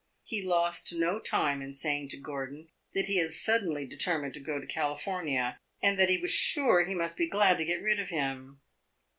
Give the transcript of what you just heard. He lost no time in saying to Gordon that he had suddenly determined to go to California, and that he was sure he must be glad to get rid of him.